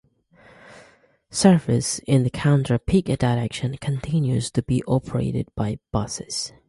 Service in the counter-peak direction continues to be operated by buses.